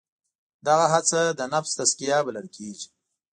دغه هڅه د نفس تزکیه بلل کېږي.